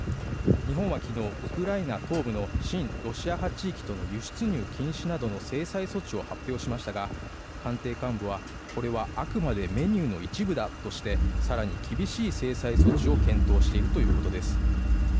日本は昨日、ウクライナ東部の親ロシア派地域との輸出入禁止などの制裁措置を発表しましたが官邸幹部は、これはあくまでメニューの部だとして更に厳しい制裁措置を検討しているということです。